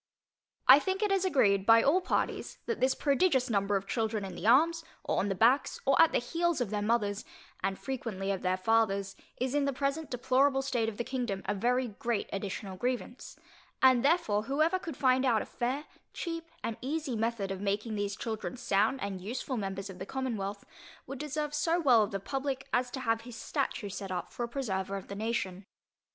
I think it is agreed by all parties, that this prodigious number of children in the arms, or on the backs, or at the heels of their mothers, and frequently of their fathers, is in the present deplorable state of the kingdom, a very great additional grievance; and therefore whoever could find out a fair, cheap and easy method of making these children sound and useful members of the commonwealth, would deserve so well of the publick, as to have his statue set up for a preserver of the nation.